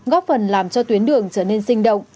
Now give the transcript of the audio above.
góp phần làm cho tuyến đường trở nên sinh động